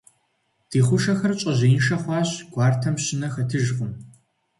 Ди хъушэхэр щӀэжьеиншэ хъуащ, гуартэм щынэ хэтыжкъым.